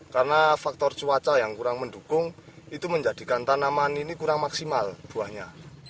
karena faktor cuaca yang kurang mendukung itu menjadikan tanaman ini kurang maksimal buahnya